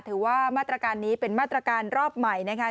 ถือว่ามาตรการนี้เป็นมาตรการรอบใหม่นะคะ